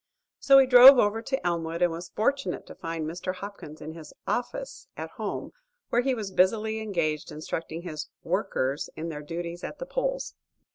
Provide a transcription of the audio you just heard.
So he drove over to Elmwood and was fortunate to find Mr. Hopkins in his "office" at home where he was busily engaged instructing his "workers" in their duties at the polls.